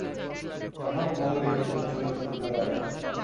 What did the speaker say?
তখনও বহু লিখিত প্রশ্নের উত্তর দেওয়া বাকী।